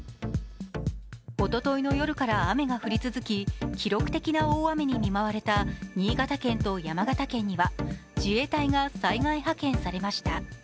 おとといの夜から雨が降り続き、記録的な大雨に見舞われた新潟県と山形県には自衛隊が災害派遣されました。